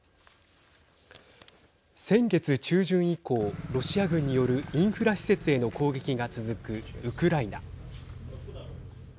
先月中旬以降、ロシア軍によるインフラ施設への攻撃が続くウクライナ。